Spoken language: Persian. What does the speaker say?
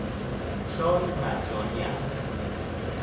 چای مجانی است.